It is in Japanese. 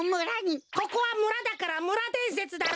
ここはむらだからむら伝説だろ！